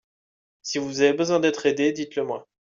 Si vous avez besoin d'être aidé, dites le moi.